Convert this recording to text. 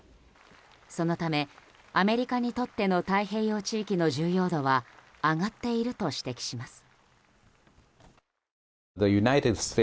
そのため、アメリカにとっての太平洋地域の重要度は上がっていると指摘します。